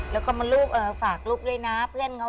แล้วก็มาลูกฝากลูกด้วยนะเพื่อนเขา